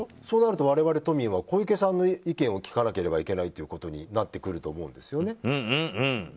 そうなると我々、都民は小池さんの意見を聞かなければいけないということになってくると思うんですよ。